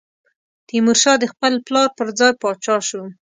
تیمورشاه د خپل پلار پر ځای پاچا شو.